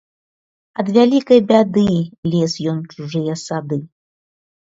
Ад вялікай бяды лез ён у чужыя сады.